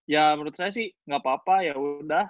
ya menurut saya sih gak apa apa ya udah